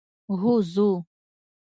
هو ځو.